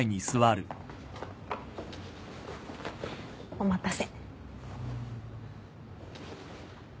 お待たせ。